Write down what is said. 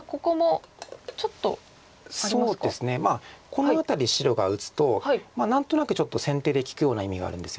この辺り白が打つと何となくちょっと先手で利くような意味があるんですよね。